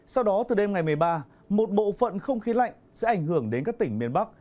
sau đó từ đêm ngày một mươi ba một bộ phận không khí lạnh sẽ ảnh hưởng đến các tỉnh miền bắc